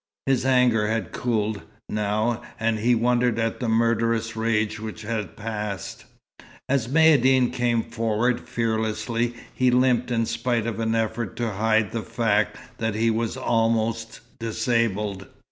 His anger had cooled, now, and he wondered at the murderous rage which had passed. As Maïeddine came forward, fearlessly, he limped in spite of an effort to hide the fact that he was almost disabled.